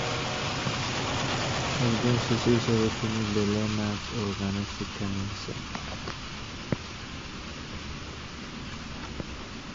একজন শিশু হিসেবে, তিনি ব্যালে নাচ ও গানের শিক্ষা নিয়েছেন।